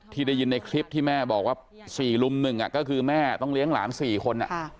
ที่ได้ยินในคลิปที่แม่บอกว่า๔ลุมหนึ่งก็คือแม่ต้องเลี้ยงหลาน๔คน